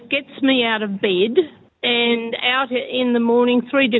jadi dia pasti berkembang